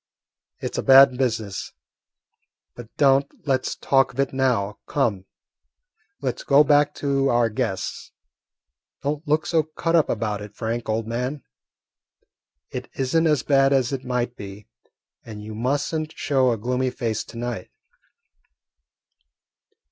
"It 's a bad business, but don't let 's talk of it now. Come, let 's go back to our guests. Don't look so cut up about it, Frank, old man. It is n't as bad as it might be, and you must n't show a gloomy face to night."